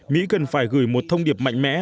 mỹ cần phải gửi một thông điệp mạnh mẽ